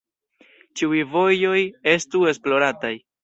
Ĉiuj vojoj estu esplorataj.